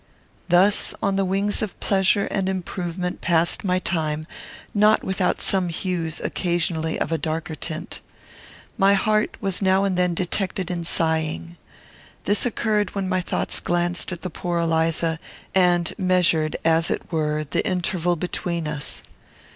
Thus on the wings of pleasure and improvement passed my time; not without some hues, occasionally, of a darker tint. My heart was now and then detected in sighing. This occurred when my thoughts glanced at the poor Eliza, and measured, as it were, the interval between us.